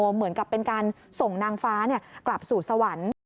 เหมือนกับเป็นการส่งนางฟ้ากลับสู่สวรรค์